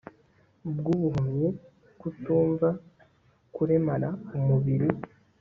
bwubuhumyi kutumva kuremara umubiri